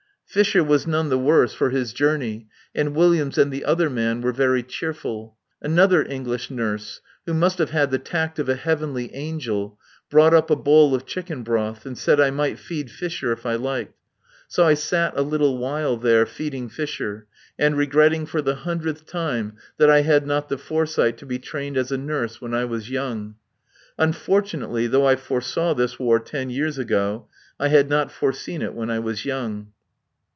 Fisher was none the worse for his journey, and Williams and the other man were very cheerful. Another English nurse, who must have had the tact of a heavenly angel, brought up a bowl of chicken broth and said I might feed Fisher if I liked. So I sat a little while there, feeding Fisher, and regretting for the hundredth time that I had not had the foresight to be trained as a nurse when I was young. Unfortunately, though I foresaw this war ten years ago, I had not foreseen it when I was young.